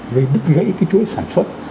gây đứt gãy cái chuỗi sản xuất